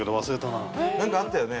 なんかあったよね？